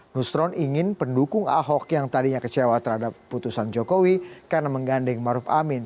nusron ingin pendukung ahok yang tadinya kecewa terhadap putusan jokowi karena menggandeng maruf amin